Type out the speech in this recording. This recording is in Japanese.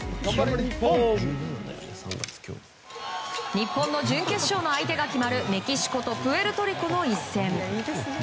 日本の準決勝の相手が決まるメキシコとプエルトリコの一戦。